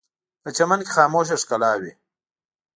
په چمن کې خاموشه ښکلا وي